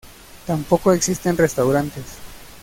Tampoco existen restaurantes.